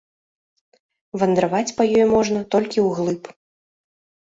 Вандраваць па ёй можна толькі ўглыб.